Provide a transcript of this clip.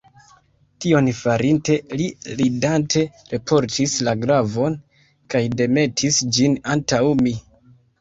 Tion farinte, li ridante reportis la glavon, kaj demetis ĝin antaŭ mi.